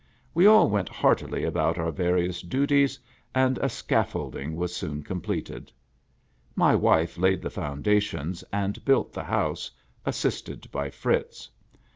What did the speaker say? We all went heartily about our various duties, and a scaffolding was soon completed. My wife laid the foundations, and built the house, assisted by Fritz.